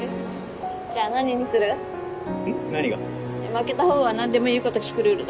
負けた方が何でも言うこと聞くルールだから。